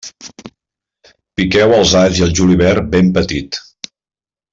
Piqueu els alls i el julivert ben petit.